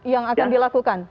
yang akan dilakukan